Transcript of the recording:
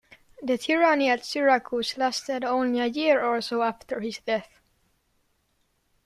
The tyranny at Syracuse lasted only a year or so after his death.